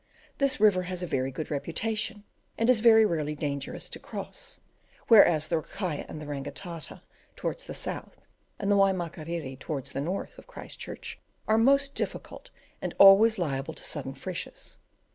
This river has a very good reputation, and is very rarely dangerous to cross; whereas the Rakaia and the Rangitata towards the south, and the Waimakiriri towards the north, of Christchurch, are most difficult, and always liable to sudden freshes.